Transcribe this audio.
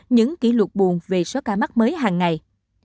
những kỷ lục buồn về số ca mắc mới hàng ngày